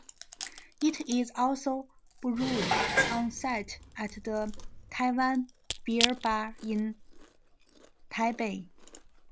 It is also brewed on site at the Taiwan Beer Bar in Taipei.